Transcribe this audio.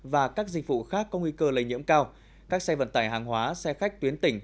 và các dịch vụ khác có nguy cơ lây nhiễm cao các xe vận tải hàng hóa xe khách tuyến tỉnh